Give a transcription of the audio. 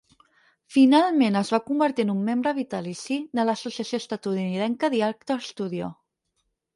Finalment es va convertir en un membre vitalici de l'associació estatunidenca The Actors Studio.